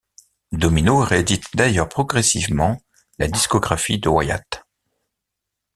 Domino réédite d'ailleurs progressivement la discographie de Wyatt.